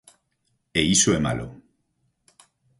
E iso é malo.